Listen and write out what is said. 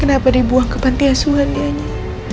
kenapa dibuang ke pantiasuhan dianya